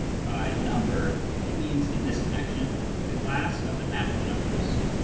By " number " he means, in this connection, the class of the natural numbers.